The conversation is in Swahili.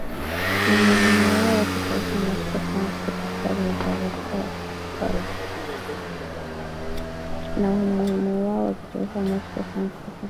na umuhimu wao wa kitaifa Moscow Sankt Petersburg na Sevastopol